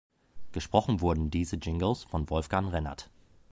Gesprochen wurden diese Jingles von Wolfgang Rennert.